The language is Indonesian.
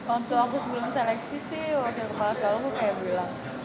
untuk aku sebelum seleksi sih wakil kepala sekolah gue kayak bilang